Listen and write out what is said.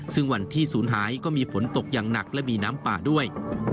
ซึ่งวันที่ศูนย์หายก็มีฝนตกอย่างหนักและมีน้ำป่าด้วย